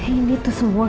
ini tuh semua